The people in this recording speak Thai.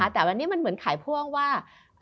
แต่วันนี้มันเหมือนขายพ่วงว่า